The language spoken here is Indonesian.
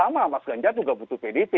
mas ganjar juga butuh pdip